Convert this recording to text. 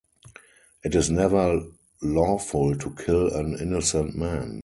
It is never lawful to kill an innocent man.